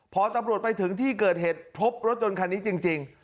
พอตำรวจไปถึงที่เกิดเหตุพบรถยนต์คันนี้จริง